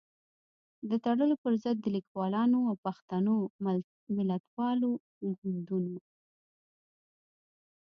د تړلو پر ضد د ليکوالانو او پښتنو ملتپالو ګوندونو